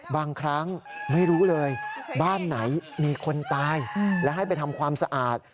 บางครั้งไม่รู้เลยบ้านไหนมีคนตายและให้ไปทำความสะอาด